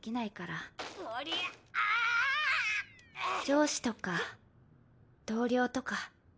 上司とか同僚とか。